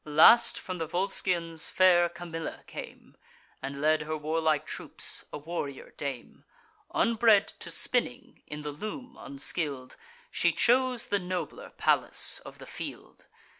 Last, from the Volscians fair Camilla came, And led her warlike troops, a warrior dame; Unbred to spinning, in the loom unskill'd, She chose the nobler Pallas of the field.